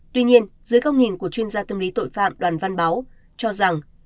tuy nhiên dưới góc nhìn của chuyên gia tâm lý tội phạm đoàn văn báo cho rằng